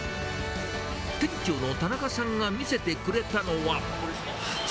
店長の田中さんが見せてくれたのは。